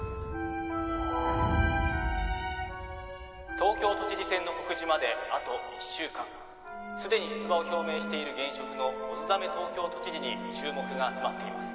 「東京都知事選の告示まであと１週間」「すでに出馬を表明している現職の小津鮫東京都知事に注目が集まっています」